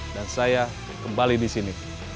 dan saya kembali disini